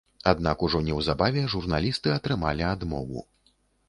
Аднак ужо неўзабаве журналісты атрымалі адмову.